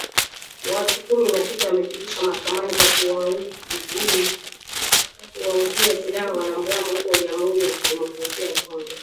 Watu kumi na sita wamefikishwa mahakamani kwa kuwauzia silaha wanamgambo huko jamuhuri ya kidemokrasaia ya Kongo